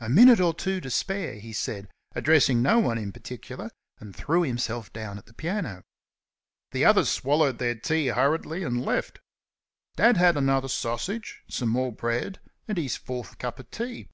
"A minute or two to spare," he said, addressing no one in particular, and threw himself down at the piano. The others swallowed their breakfast hurriedly and left. Dad had another sausage, some more bread, and his fourth cup of tea.